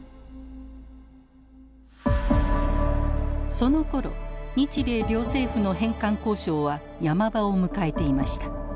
そのころ日米両政府の返還交渉は山場を迎えていました。